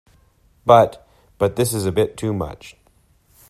But — but this is a bit too much.